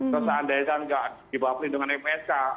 terus andaikan nggak dibapeli dengan lpsk